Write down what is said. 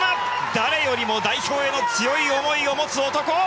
誰よりも代表への強い思いを持つ男！